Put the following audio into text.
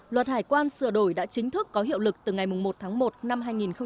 luật hải quan sửa đổi đã chính thức có hiệu lực từ ngày một tháng một năm hai nghìn hai mươi